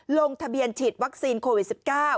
ลงทะเบียนฉีดวัคซีนโควิด๑๙